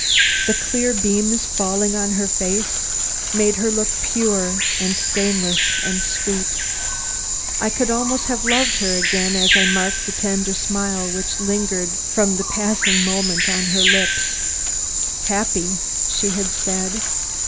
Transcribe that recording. The clear beams falling on her face made her look pure and stainless and sweet. I could almost have loved her again as I marked the tender smile which lingered from that passing moment on her lips. "Happy," she had said.